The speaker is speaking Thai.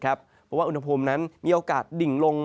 เพราะว่าอุณหภูมินั้นมีโอกาสดิ่งลง